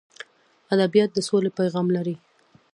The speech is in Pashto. ادبیات د سولې پیغام لري.